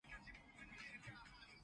巴黎鐵塔